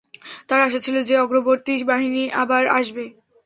তার আশা ছিল যে অগ্রবর্তী বাহিনী আবার আসবে।